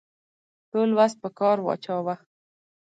ټول وس په کار واچاوه.